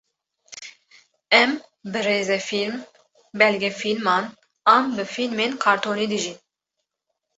em bi rêzefîlim, belge fîliman an bi fîlmên qartonî dijîn.